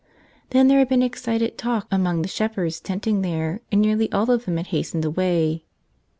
Then there had been excited talk among the shepherds tenting there and nearly all of them had hastened away.